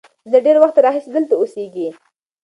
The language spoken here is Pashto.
دوی له ډېر وخت راهیسې دلته اوسېږي.